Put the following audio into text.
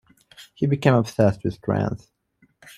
He became obsessed with strength.